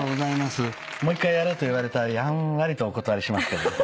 もう一回やれと言われたらやんわりとお断りしますけど。